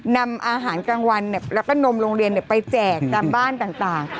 นำอาหารกลางวันแล้วก็นมโรงเรียนไปแจกตามบ้านต่าง